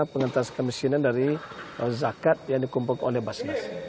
pengentasan kemiskinan dari zakat yang dikumpulkan oleh basnas